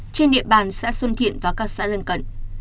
trên địa bàn xã xuân thiện và các xã lân cận